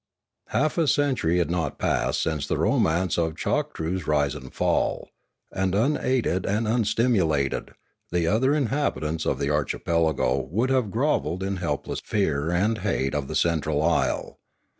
Half a century had not passed since the romance of Choktroo's rise and fall; and unaided and unstimulated, the other inhabitants of the archipelago would have grovelled in helpless fear and hate of the central isle.